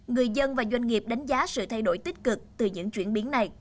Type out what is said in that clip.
người dân và doanh nghiệp đánh giá sự thay đổi tích cực từ những chuyển biến này